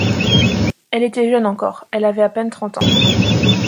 Elle était jeune encore ; elle avait à peine trente ans.